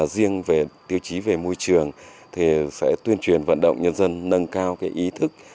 riêng tiêu chí về môi trường sẽ tuyên truyền vận động nhân dân nâng cao ý thức